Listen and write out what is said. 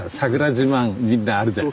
自慢みんなあるじゃん。